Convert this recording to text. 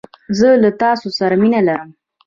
زه له تاسو سره مينه لرم